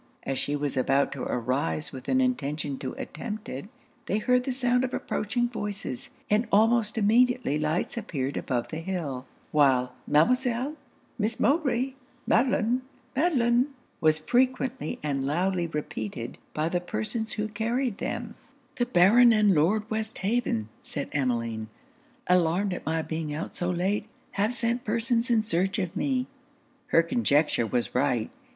As she was about to arise with an intention to attempt it, they heard the sound of approaching voices, and almost immediately lights appeared above the hill, while 'Mademoiselle! Miss Mowbray! Madelon! Madelon!' was frequently and loudly repeated by the persons who carried them. 'The Baron and Lord Westhaven,' said Emmeline, 'alarmed at my being out so late, have sent persons in search of me.' Her conjecture was right.